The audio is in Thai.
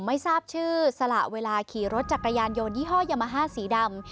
ไม่ทราบชื่อสละเวลาขี่รถจักรยานยนต์ยี่ห้อยามาฮ่าสีดำ